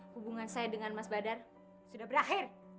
hubungan saya dengan mas badar sudah berakhir